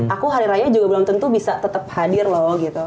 aku hari raya juga belum tentu bisa tetap hadir loh gitu